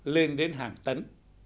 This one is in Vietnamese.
nên đến hàng tấn